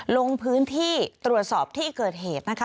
ลงพื้นที่ตรวจสอบที่เกิดเหตุนะคะ